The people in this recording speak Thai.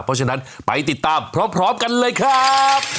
เพราะฉะนั้นไปติดตามพร้อมกันเลยครับ